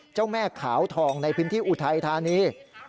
เจ้าแม่ขาวทองในพื้นที่อุทัยธานี